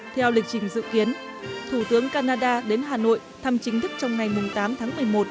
theo lịch trình dự kiến thủ tướng canada đến hà nội thăm chính thức trong ngày tám tháng một mươi một